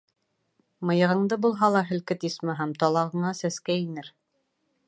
Мыйығыңды булһа ла һелкет, исмаһам, талағыңа Сәскә инер.